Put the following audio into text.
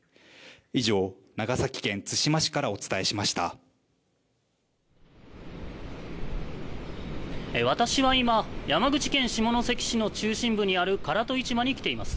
以上、長崎県対馬市からお伝えし私は今、山口県下関市の中心部にある唐戸市場に来ています。